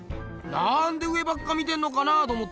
なんで上ばっか見てんのかなあと思ってよ。